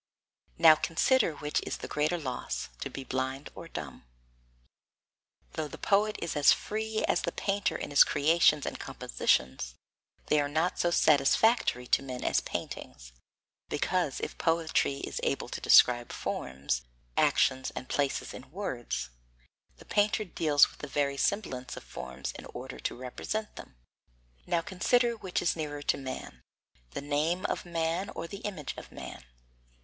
Now consider which is the greater loss, to be blind or dumb? Though the poet is as free as the painter in his creations and compositions, they are not so satisfactory to men as paintings, because if poetry is able to describe forms, actions and places in words, the painter deals with the very semblance of forms in order to represent them. Now consider which is nearer to man, the name of man or the image of man?